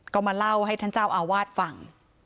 ก็มาเล่าให้ท่านเจ้าอาวาสฟัง